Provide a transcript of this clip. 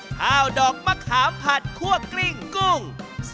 ข้าวดอกมะขามผัดคั่วกลิ้งกุ้ง